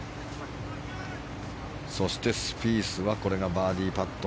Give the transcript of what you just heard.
そして、スピースはこれがバーディーパット。